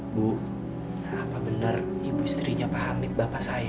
bu apa benar ibu istrinya paham mit bapak saya